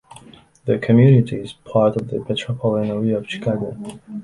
The community is part of the metropolitan area of Chicago.